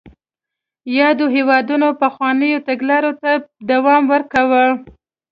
یادو هېوادونو پخوانیو تګلارو ته دوام ورکاوه.